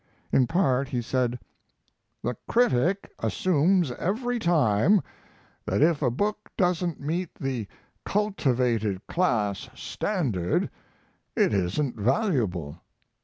In part he said: The critic assumes every time that if a book doesn't meet the cultivated class standard it isn't valuable...